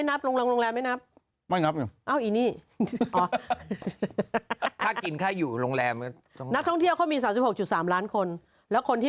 จำนวนนักท่องเที่ยวต่างชาติ